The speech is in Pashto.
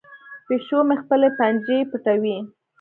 پیشو مې خپلې پنجې پټوي.